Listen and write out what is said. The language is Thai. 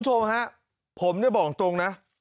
คุณผู้ชมฮะผมเนี่ยบอกตรงนะ